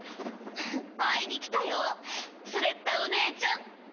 ふふっ会いに来たよスレッタお姉ちゃん。